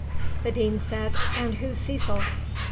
The Dean said, "And who's Cecil?"